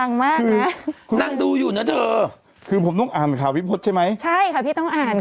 น้องเจ้าสาวอยู่ไหน